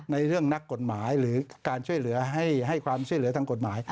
ในเรื่องนักกฎหมายหรือการช่วยเหลือให้ความช่วยเหลือทางกฎหมาย